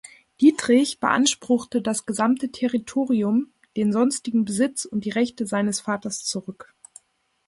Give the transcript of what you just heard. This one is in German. Dietrich beanspruchte das gesamte Territorium, den sonstigen Besitz und die Rechte seines Vaters zurück.